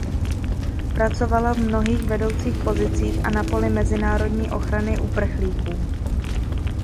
Pracovala v mnohých vedoucích pozicích a na poli mezinárodní ochrany uprchlíků.